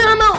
gue gak mau